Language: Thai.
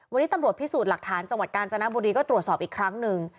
วันนี้ตำรวจพิสูจน์หลักฐานจังหวัดกาญจนบุรีก็ตรวจสอบอีกครั้งหนึ่ง